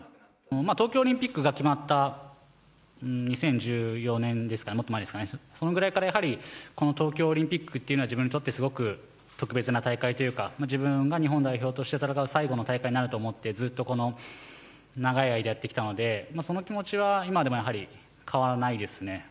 東京オリンピックが決まった２０１４年ですかね、もっと前ですかね、そのぐらいからやはり、この東京オリンピックっていうのは、自分にとってすごく特別な大会というか、自分が日本代表として戦う最後の大会になると思って、ずっとこの長い間、やってきたので、その気持ちは今でもやはり変わらないですね。